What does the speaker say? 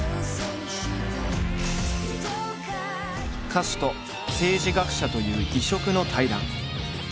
歌手と政治学者という異色の対談。